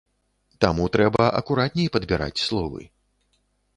Таму трэба акуратней падбіраць словы.